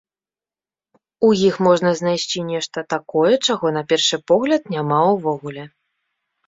У іх можна знайсці нешта такое, чаго, на першы погляд, няма ўвогуле.